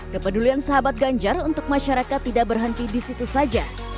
kepedulian sahabat ganjar untuk masyarakat tidak berhenti di situ saja